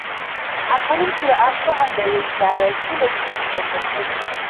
According to the Austro-Hungarians they arrived too late to prevent the crossings.